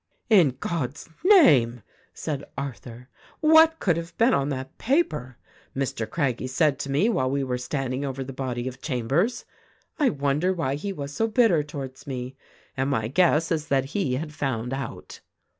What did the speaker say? "In God's name !" said Arthur, "what could have been on that paper? Mr. Craggie said to me while we were standing over the body of Chambers, T wonder why he was so bitter towards me.' And my guess is that he had found out."